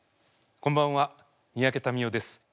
こんばんは三宅民夫です。